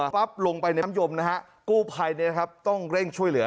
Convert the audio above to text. ปั๊บลงไปในแค่น้ำหยกกู้ภัยต้องเร่งช่วยเหลือ